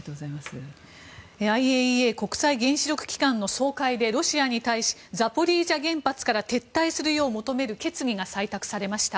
ＩＡＥＡ・国際原子力機関の総会でロシアに対しザポリージャ原発から撤退するよう求める決議が採択されました。